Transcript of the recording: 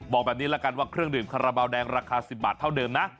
บอกแบบนี้ละกันว่าเครื่องดื่มคาราบาลแดงราคา๑๐บาทเท่าเดิมนะ